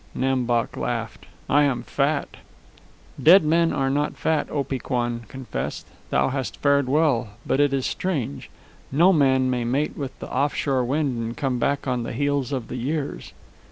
Nam Bok laughed. "I am fat." "Dead men are not fat," Opee Kwan confessed. "Thou hast fared well, but it is strange. No man may mate with the off shore wind and come back on the heels of the years."